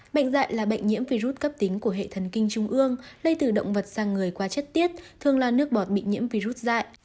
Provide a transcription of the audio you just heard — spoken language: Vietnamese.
bệnh dạy là bệnh nhiễm virus cấp tính của hệ thần kinh trung ương lây từ động vật sang người qua chất tiết thường là nước bọt bị nhiễm virus dại